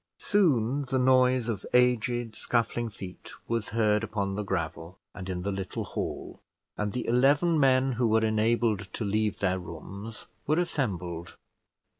Soon the noise of aged scuffling feet was heard upon the gravel and in the little hall, and the eleven men who were enabled to leave their rooms were assembled.